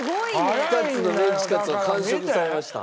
２つのメンチカツを完食されました。